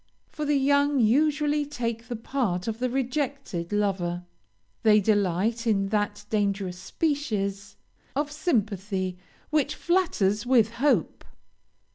For the young usually take the part of the rejected lover they delight in that dangerous species of sympathy which flatters with hope.